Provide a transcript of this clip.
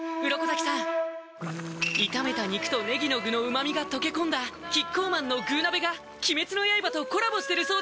鱗滝さん炒めた肉とねぎの具の旨みが溶け込んだキッコーマンの「具鍋」が鬼滅の刃とコラボしてるそうです